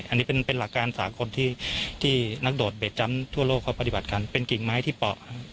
อันนี้เป็นหลักการสากลที่นักโดดเบจจำทั่วโลกเขาปฏิบัติกันเป็นกิ่งไม้ที่เปาะ